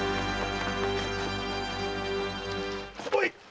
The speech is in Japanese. おい！